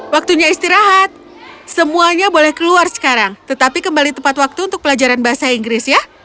waktunya istirahat semuanya boleh keluar sekarang tetapi kembali tepat waktu untuk pelajaran bahasa inggris ya